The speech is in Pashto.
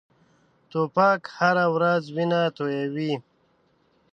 توپک هره ورځ وینه تویوي.